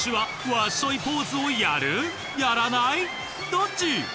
どっち？